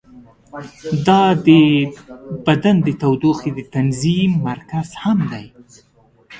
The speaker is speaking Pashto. دا د بدن د تودوخې د تنظیم مرکز هم دی.